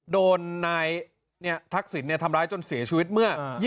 โดนนายทักศิลป์เนี่ยทำร้ายจนเสียชีวิตเมื่อ